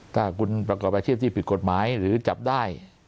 ถ้าคุณประกอบอาชีพที่ผิดกฎหมายหรือจับได้